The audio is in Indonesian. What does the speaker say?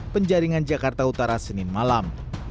penjaringan jakarta utara senin malam